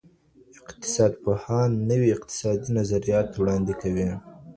اقتصاد پوهان نوي اقتصادي نظریات وړاندې کوي.